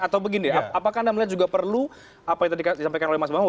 atau begini apakah anda melihat juga perlu apa yang tadi disampaikan oleh mas bawo